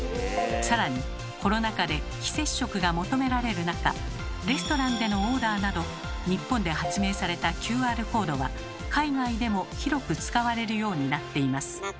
さらにコロナ禍で非接触が求められる中レストランでのオーダーなど日本で発明されたＱＲコードは海外でも広く使われるようになっています。